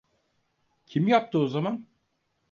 Kim yaptı o zaman?